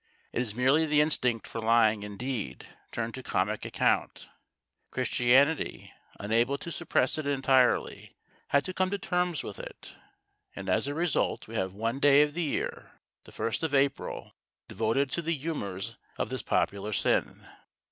It is merely the instinct for lying, indeed, turned to comic account. Christianity, unable to suppress it entirely, had to come to terms with it, and as a result we have one day of the year, the first of April, devoted to the humours of this popular sin.